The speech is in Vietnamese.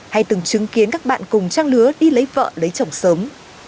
hay từng chứng kiến các bạn cùng trang lứa đi lấy vợ lấy chồng sớm